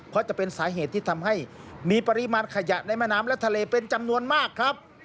เพราะจะเป็นสาเหตุที่ทำให้มีปริมาณขยะในแม่น้ำและทะเลเป็นจำนวนมากครับ